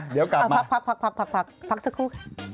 เดี๋ยวกลับพักพักสักครู่